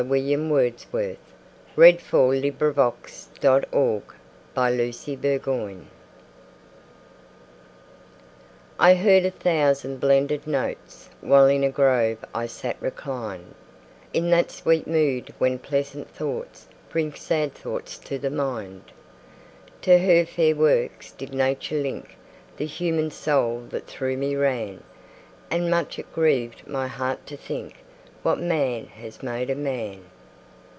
William Wordsworth Lines Written in Early Spring I HEARD a thousand blended notes, While in a grove I sate reclined, In that sweet mood when pleasant thoughts Bring sad thoughts to the mind. To her fair works did Nature link The human soul that through me ran; And much it grieved my heart to think What man has made of man.